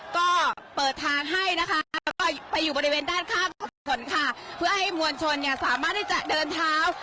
ก็เปิดทางให้นะคะแล้วก็ไปอยู่บริเวณด้านข้างถนนค่ะเพื่อให้มวลชนเนี่ยสามารถที่จะเดินเท้า